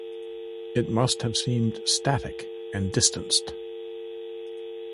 It must have seemed static and distanced.